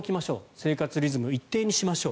生活リズムを一定にしましょう。